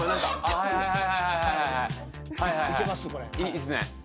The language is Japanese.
いいっすね。